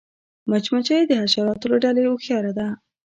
مچمچۍ د حشراتو له ډلې هوښیاره ده